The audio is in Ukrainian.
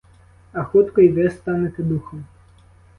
А хутко й ви станете духом.